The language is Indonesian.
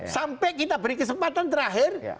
sampai kita beri kesempatan terakhir